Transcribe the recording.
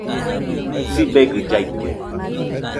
Sibegɨ llaite